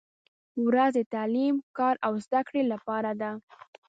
• ورځ د تعلیم، کار او زدهکړې لپاره ده.